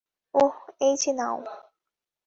ওহ, এইযে নাও।